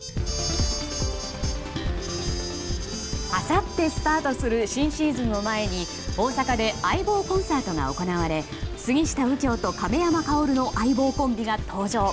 あさってスタートする新シーズンを前に大阪で「相棒コンサート」が行われ杉下右京と亀山薫の「相棒」コンビが登場。